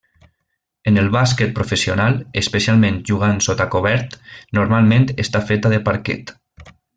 En el bàsquet professional, especialment jugant sota cobert, normalment està feta de parquet.